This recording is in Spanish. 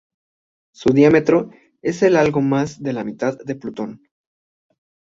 Su diámetro es de algo más de la mitad del de Plutón.